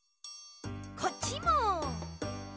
こっちも。